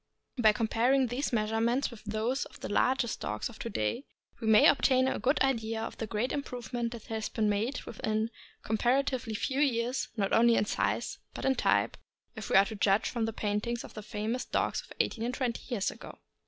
By comparing these measurements with those of the largest dogs of to day, we may obtain a good idea of the great improvement that has been made, within a comparatively few years, not only in size, but in type, if we are to judge from the paintings of the famous dogs of eighteen and twenty years ago.